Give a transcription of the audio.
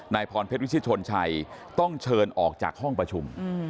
พรเพชรวิชิชนชัยต้องเชิญออกจากห้องประชุม